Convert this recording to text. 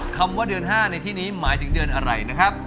คำว่าเดือน๕ในที่นี้หมายถึงเดือนอะไรนะครับ